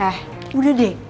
eh udah deh